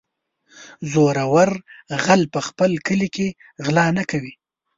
- زورور غل په خپل کلي کې غلا نه کوي.